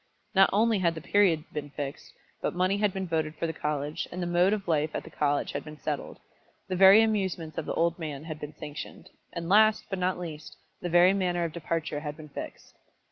Not only had the period been fixed, but money had been voted for the college; and the mode of life at the college had been settled; the very amusements of the old men had been sanctioned; and last, but not least, the very manner of departure had been fixed.